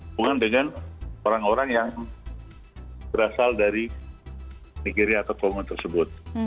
bukan dengan orang orang yang berasal dari negeri atau kongen tersebut